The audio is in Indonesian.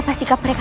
tapi ini tujuannya